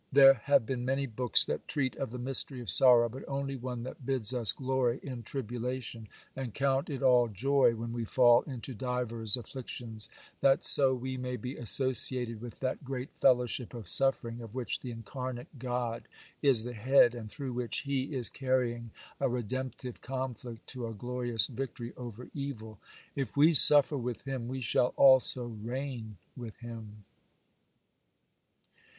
There have been many books that treat of the mystery of sorrow, but only one that bids us glory in tribulation, and count it all joy when we fall into divers afflictions, that so we may be associated with that great fellowship of suffering of which the Incarnate God is the head, and through which He is carrying a redemptive conflict to a glorious victory over evil. If we suffer with Him, we shall also reign with Him.